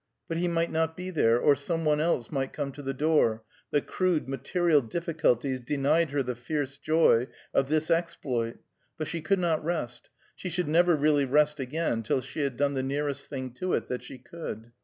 But he might not be there, or some one else might come to the door; the crude, material difficulties denied her the fierce joy of this exploit, but she could not rest (she should never really rest again) till she had done the nearest thing to it that she could.